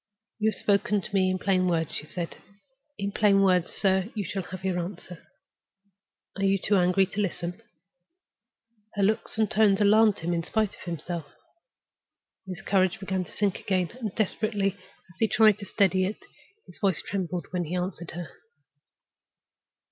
"You have spoken to me in plain words," she said. "In plain words, sir, you shall have your answer. Are you too angry to listen?" Her looks and tones alarmed him, in spite of himself. His courage began to sink again; and, desperately as he tried to steady it, his voice trembled when he answered her.